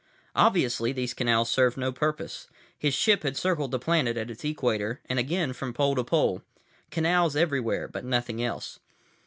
Obviously these canals served no purpose. His ship had circled the planet at its equator, and again from pole to pole. Canals everywhere, but nothing else.